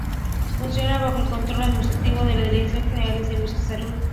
Funciona bajo el control administrativo de la Dirección General de Servicios de Salud.